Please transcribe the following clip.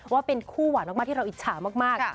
ว่าเป็นคู่หวานมากที่เราอิจฉามาก